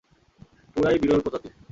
পুরাই বিরল প্রজাতির।